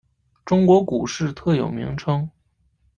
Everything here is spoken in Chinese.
中国股市特有名称。